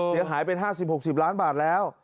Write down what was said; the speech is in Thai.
เสียหายเป็น๕๐๖๐ล้านบาทแล้ว